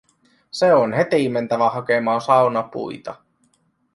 Se on heti mentävä hakemaan saunapuita.